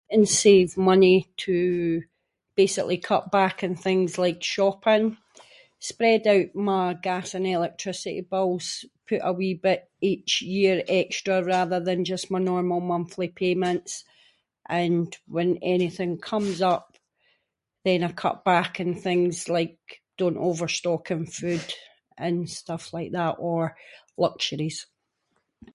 -and save money to basically cut back on things like shopping, spread out my gas and electricity bills, put a wee bit each year extra rather than just my normal monthly payments, and when anything comes up then I cut back on things like don’t overstock in food and stuff like that, or luxuries.